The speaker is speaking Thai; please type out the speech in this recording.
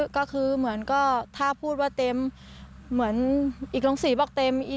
ก็คือเหมือนก็ถ้าพูดว่าเต็มเหมือนอีกโรงศรีบอกเต็ม